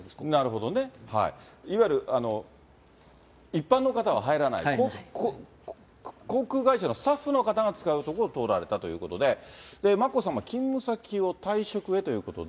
いわゆる、一般の方は入らない、航空会社のスタッフの方が使う所を通られたということで、眞子さま、勤務先を退職へということで。